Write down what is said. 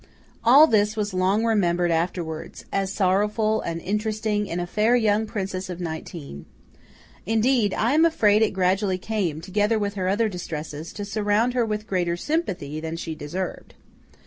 All this was long remembered afterwards, as sorrowful and interesting in a fair young princess of nineteen. Indeed, I am afraid it gradually came, together with her other distresses, to surround her with greater sympathy than she deserved.